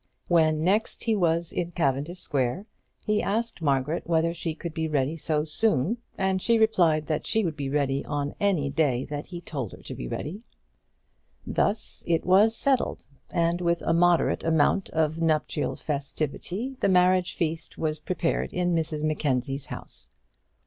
When next he was in Cavendish Square he asked Margaret whether she could be ready so soon, and she replied that she would be ready on any day that he told her to be ready. Thus it was settled, and with a moderate amount of nuptial festivity the marriage feast was prepared in Mrs Mackenzie's house.